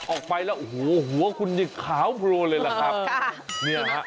ออกไปแล้วโอ้โหหัวขวาขาวพรูเลยแหละครับค่ะเนี่ยฮะ